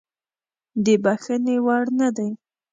د بخښنې وړ نه دی.